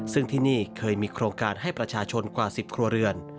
ซึ่งที่นี่เคยมีโครงการให้ประชาชนกว่า๑๐ครัวเรือน